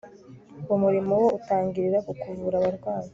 umurimo wo utangirira ku kuvura abarwayi